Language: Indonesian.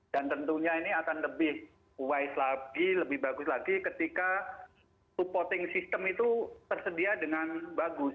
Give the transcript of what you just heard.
dan tentunya ini akan lebih wise lagi lebih bagus lagi ketika supporting system itu tersedia dengan bagus